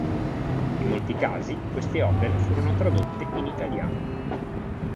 In molti casi queste opere furono tradotte in italiano.